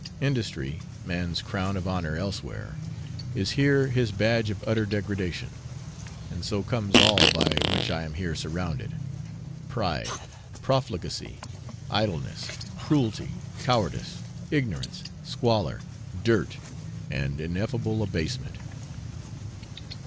Industry, man's crown of honour elsewhere, is here his badge of utter degradation; and so comes all by which I am here surrounded pride, profligacy, idleness, cruelty, cowardice, ignorance, squalor, dirt, and ineffable abasement.